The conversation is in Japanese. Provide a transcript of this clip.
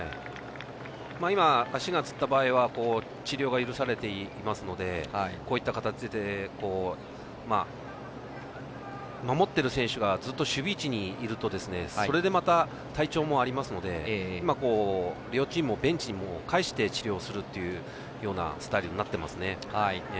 今、足がつった場合は治療が許されていますのでこういった形で、守ってる選手がずっと守備位置にいるとそれで、体調もありますので両チームをベンチに帰して治療するスタイルになっていますね。